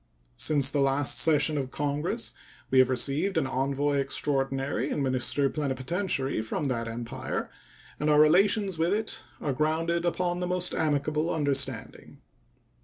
Since the last session of Congress we have received an envoy extraordinary and minister plenipotentiary from that Empire, and our relations with it are rounded upon the most amicable understanding.